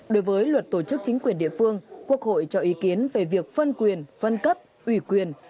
đối với luật tổ chức chính quyền địa phương quốc hội cho ý kiến về việc phân quyền phân cấp ủy quyền